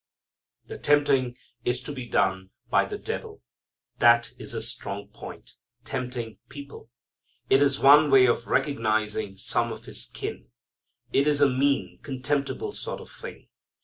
The tempting is to be done by "the devil." That is his strong point, tempting people. It is one way of recognizing some of his kin. It is a mean, contemptible sort of thing.